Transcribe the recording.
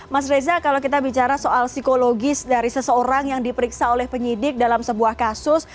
mas reza kalau kita bicara soal psikologis dari seseorang yang diperiksa oleh penyidik dalam sebuah kasus